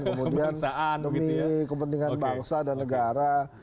kemudian demi kepentingan bangsa dan negara